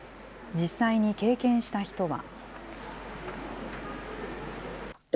実際に経験した人は。